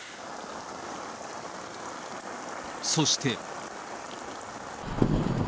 そして。